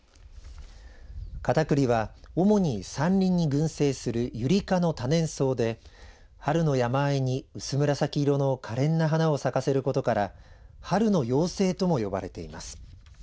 カタクリは、主に山林に群生するユリ科の多年草で春の山あいに薄紫色のかれんな花を咲かせることから春の妖精とも呼ばれています。